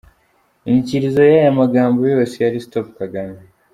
Inyikirizo y’aya magambo yose yari stop Kagame.